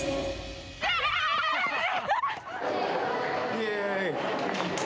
イェーイ。